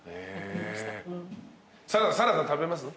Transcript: サラダ食べます？